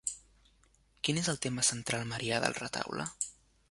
Quin és el tema central marià del retaule?